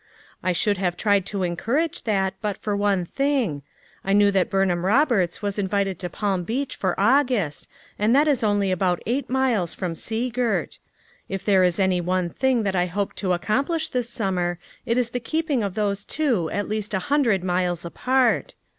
I should have tried to encourage that, but for one thing; I knew that Burnham Roberts was invited' to Palm Beach for August and that is only about eight miles from Sea Girt; if there is any one thing that I hope to accomplish this summer it is the keeping of those two at least a hundred miles apart.